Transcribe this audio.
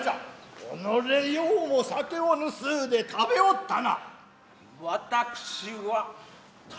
おのれようも酒を盗うで食べおったな。